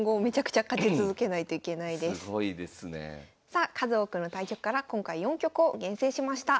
さあ数多くの対局から今回４局を厳選しました。